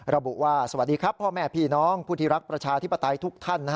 ระบุว่าสวัสดีครับพ่อแม่พี่น้องผู้ที่รักประชาธิปไตยทุกท่าน